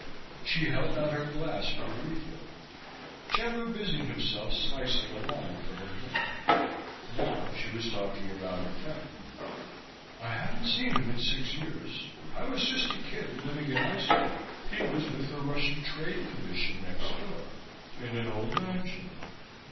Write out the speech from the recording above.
She held out her glass for a refill. Chandler busied himself slicing a lime for her drink. Now she was talking about her friend. "I hadn't seen him in six years. I was just a kid, living in Islip. He was with a Russian trade commission next door, in an old mansion.